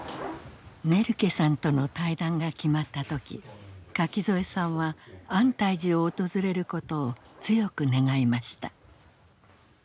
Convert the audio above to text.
ネルケさんとの対談が決まった時垣添さんは安泰寺を訪れることを強く願いました。